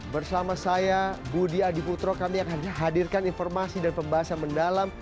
bersama saya budi adiputro kami akan hadirkan informasi dan pembahasan mendalam